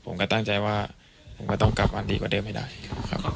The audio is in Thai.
ผมก็ตั้งใจว่าผมก็ต้องกลับมาดีกว่าเดิมให้ได้ครับ